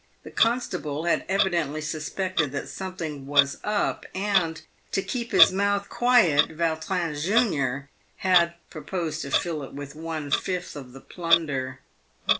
The constable had evidently suspected that something " was up," and, to keep his mouth quiet, Vautrin, junior, had proposed to fill it with one fifth of the plunder.